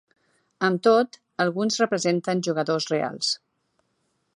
Amb tot, alguns representen jugadors reals.